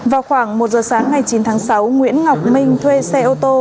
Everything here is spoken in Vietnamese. vào khoảng một giờ sáng ngày chín tháng sáu nguyễn ngọc minh thuê xe ô tô